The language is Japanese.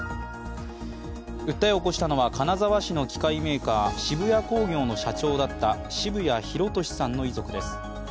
訴えを起こしたのは金沢市の機械メーカー、澁谷工業の社長だった澁谷弘利さんの遺族です。